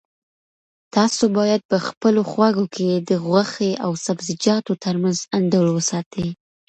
تاسو باید په خپلو خوړو کې د غوښې او سبزیجاتو ترمنځ انډول وساتئ.